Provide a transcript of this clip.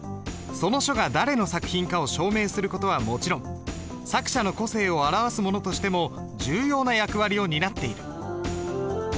その書が誰の作品かを証明する事はもちろん作者の個性を表すものとしても重要な役割を担っている。